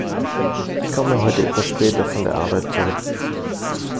Ich komme heute etwas später von der Arbeit zurück.